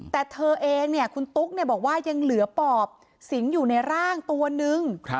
แต่เธอเองคุณตุ๊กบอกว่ายังเหลือปอบสิงอยู่ในร่างตัวนึง